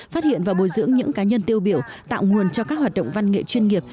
phát hiện và bồi dưỡng những cá nhân tiêu biểu tạo nguồn cho các hoạt động văn nghệ chuyên nghiệp